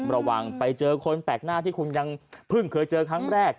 ระวังไปเจอคนแปลกหน้าที่คุณยังเพิ่งเคยเจอครั้งแรก